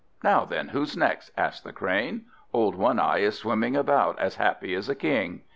"Now then, who's next?" asked the Crane. "Old One eye is swimming about, as happy as a king!"